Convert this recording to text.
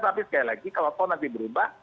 tapi sekali lagi kalau toh nanti berubah